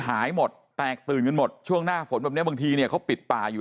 หายหมดแตกตื่นกันหมดช่วงหน้าฝนแบบนี้บางทีเนี่ยเขาปิดป่าอยู่